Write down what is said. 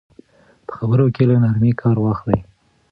په خبرو کې له نرمۍ کار واخلئ.